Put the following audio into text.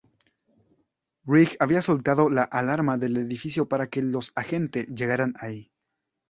Rigg había soltado la alarma del edificio para que los agente llegaran allí.